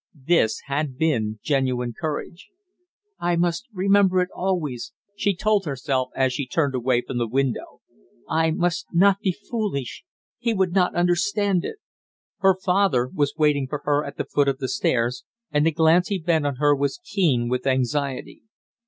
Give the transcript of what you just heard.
This had been genuine courage. "I must remember it always!" she told herself, as she turned away from the window. "I must not be selfish he would not understand it " Her father was waiting for her at the foot of the stairs, and the glance he bent on her was keen with anxiety.